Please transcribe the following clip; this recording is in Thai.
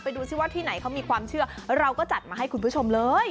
ดูสิว่าที่ไหนเขามีความเชื่อเราก็จัดมาให้คุณผู้ชมเลย